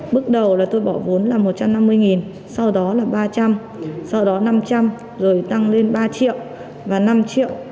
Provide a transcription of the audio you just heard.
số tiền lớn là một trăm năm mươi sau đó là ba trăm linh sau đó năm trăm linh rồi tăng lên ba triệu và năm triệu